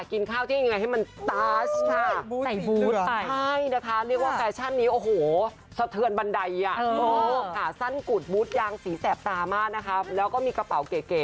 กินข้าวที่ยังไงให้มันตาสค่ะ